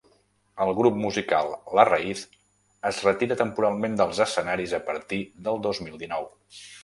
El grup musical La Raíz es retira temporalment dels escenaris a partir del dos mil dinou.